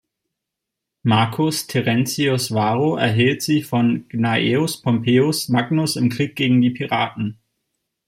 Marcus Terentius Varro erhielt sie von Gnaeus Pompeius Magnus im Krieg gegen die Piraten.